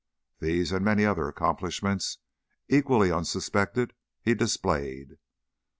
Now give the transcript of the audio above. These, and many other accomplishments equally unsuspected, he displayed.